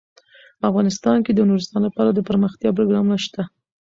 افغانستان کې د نورستان لپاره دپرمختیا پروګرامونه شته.